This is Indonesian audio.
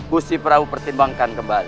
gusti prabu pertimbangkan kembali